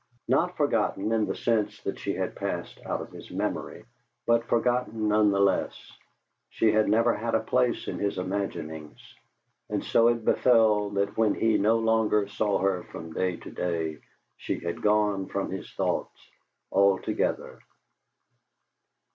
Not forgotten in the sense that she had passed out of his memory, but forgotten none the less; she had never had a place in his imaginings, and so it befell that when he no longer saw her from day to day, she had gone from his thoughts altogether.